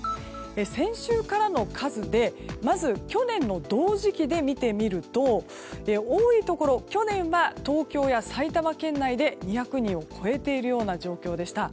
先週からの数で、まず去年の同時期で見てみると多いところ、去年は東京や埼玉県内で２００人を超えているような状況でした。